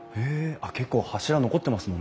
あっ結構柱残ってますもんね。